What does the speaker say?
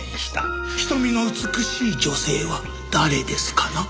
瞳の美しい女性は誰ですかな？